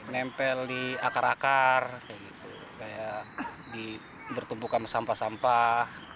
nempel di akar akar kayak dibertumpukan sampah sampah